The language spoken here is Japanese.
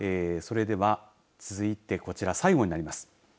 それでは続いてこちら最後になります。